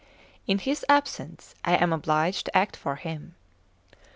In his absence I am obliged to act for him."